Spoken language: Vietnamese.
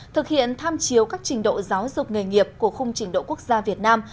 thực hiện tham chiếu các trình độ giáo dục nghề nghiệp của khung trình độ quốc gia việt nam